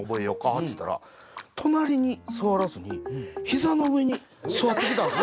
っつったら隣に座らずにひざの上に座ってきたんです。